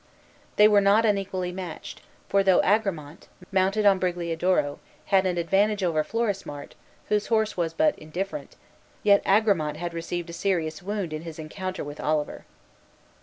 They were not unequally matched, for though Agramant, mounted on Brigliadoro, had an advantage over Florismart, whose horse was but indifferent, yet Agramant had received a serious wound in his encounter with Oliver.